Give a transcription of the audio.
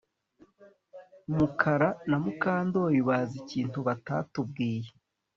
Mukara na Mukandoli bazi ikintu batatubwiye